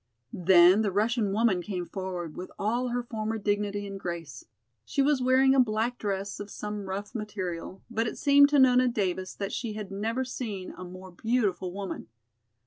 Then the Russian woman came forward with all her former dignity and grace. She was wearing a black dress of some rough material, but it seemed to Nona Davis that she had never seen a more beautiful woman.